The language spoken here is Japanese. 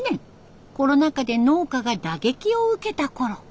コロナ禍で農家が打撃を受けたころ。